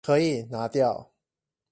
可以拿掉